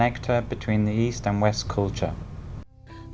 người vẫn được bạn bè quốc tế gọi bằng một cái tên chiều mến người kết nối văn hóa đông tây